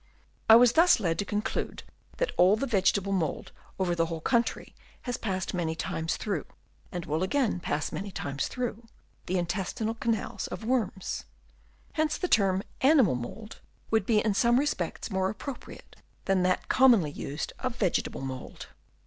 I was thus led to conclude that all the vegetable mould over the whole coun try has passed many times through, and will again pass many times through, the intestinal canals of worms. Hence the term " animal mould " would be in some respects more appropriate than that commonly used of " vegetable mould."